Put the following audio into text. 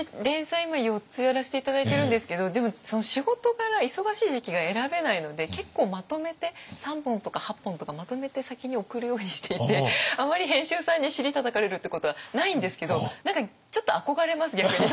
今４つやらせて頂いてるんですけどでも仕事柄忙しい時期が選べないので結構まとめて３本とか８本とかまとめて先に送るようにしていてあまり編集さんに尻たたかれるってことはないんですけど何かちょっと憧れます逆に。